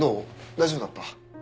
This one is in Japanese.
大丈夫だった？